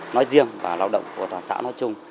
nói riêng và lao động của toàn xã nói chung